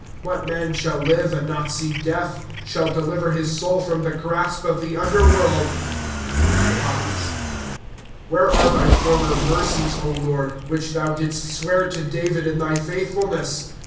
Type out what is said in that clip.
*^ What man shall live, and not see death, Shall deliver his soul from the grasp of the under world? Where are thy former mercies, Lord, Which thou didst swear to David in thy faithfulness